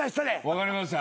分かりました。